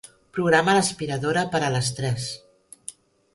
Programa l'aspiradora per a les tres.